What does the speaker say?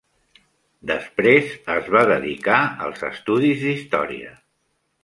Després es va dedicar als estudis d'història.